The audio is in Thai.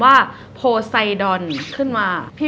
ใช้สิทธิ์บอกไป